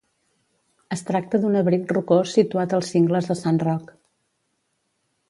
Es tracta d'un abric rocós situat als cingles de Sant Roc.